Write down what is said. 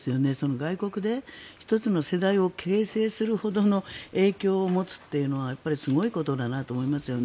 外国で１つの世代を形成するほどの影響を持つというのはやっぱりすごいことだなと思いますよね。